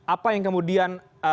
apa yang kemudian